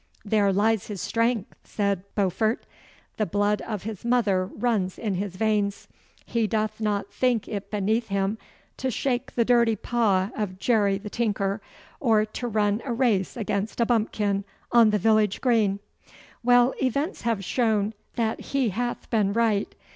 'There lies his strength,' said Beaufort. 'The blood of his mother runs in his veins. He doth not think it beneath him to shake the dirty paw of Jerry the tinker, or to run a race against a bumpkin on the village green. Well, events have shown that he hath been right.